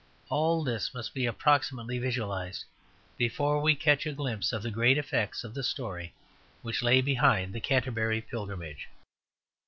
All this must be approximately visualized before we catch a glimpse of the great effects of the story which lay behind the Canterbury Pilgrimage.